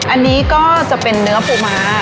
อันนี้ก็จะเป็นเนื้อปูม้า